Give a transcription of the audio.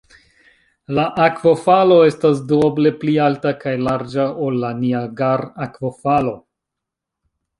La akvofalo estas duoble pli alta kaj larĝa ol la Niagar-akvofalo.